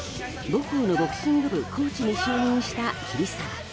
母校のボクシング部コーチに就任した桐沢。